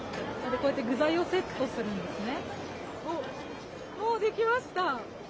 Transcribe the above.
こうやって具材をセットするんですね。